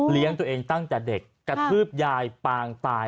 ตัวเองตั้งแต่เด็กกระทืบยายปางตาย